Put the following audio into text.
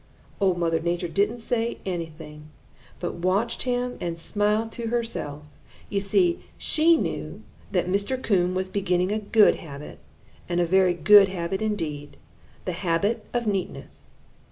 Old Mother Nature didn't say anything, but watched him and smiled to herself. You see, she knew that Mr. Coon was beginning a good habit, a very good habit indeed the habit of neatness.